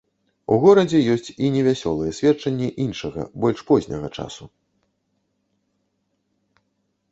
У горадзе ёсць і невясёлыя сведчанні іншага, больш позняга часу.